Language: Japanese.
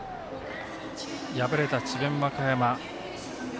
敗れた智弁和歌山。